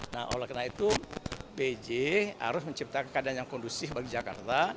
nah oleh karena itu pj harus menciptakan keadaan yang kondusif bagi jakarta